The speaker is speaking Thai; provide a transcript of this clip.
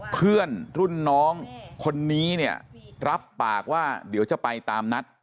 เพื่อนรุ่นน้องคนนี้เนี่ยรับปากว่าเดี๋ยวจะไปตามนัด